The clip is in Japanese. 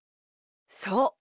そう。